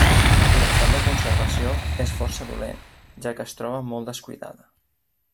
L'estat de conservació és força dolent, ja que es troba molt descuidada.